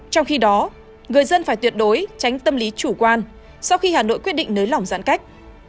trong khi đó người dân phải tuyệt đối tránh tâm lý chủ quan sau khi hà nội quyết định nới lỏng giãn cách